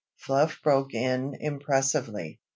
Fluff broke in impressively.